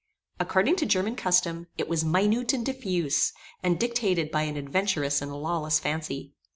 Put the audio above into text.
According to German custom, it was minute and diffuse, and dictated by an adventurous and lawless fancy.